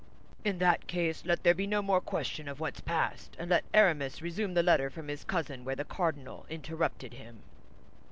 "In that case, let there be no more question of what's past, and let Aramis resume the letter from his cousin where the cardinal interrupted him."